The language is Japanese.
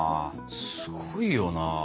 すごいよな。